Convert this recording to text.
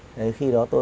đấy khi đó tôi